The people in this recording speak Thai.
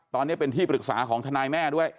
ตอนนี้เป็นที่ปรึกษาของทนายแม่ด้วย